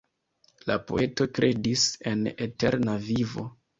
La poeto kredis en eterna vivo.